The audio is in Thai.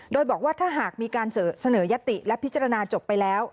โดยบอกว่าถ้าหากมีการเสนอยติและพิจารณาจบไปแล้ว